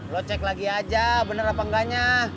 lo cek lagi aja bener apa enggaknya